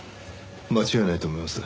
間違いないと思います。